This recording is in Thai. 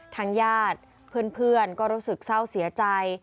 ทางญาติเพื่อนก็รู้สึกเศร้าเสียใจ